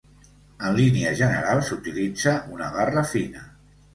En línies generals s'utilitza una barra fina.